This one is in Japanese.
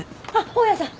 大家さん。